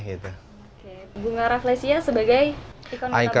bunga rafflesia sebagai ikon